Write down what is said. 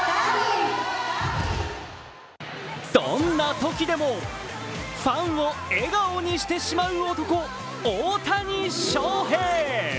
どんなときでもファンを笑顔にしてしまう男・大谷翔平。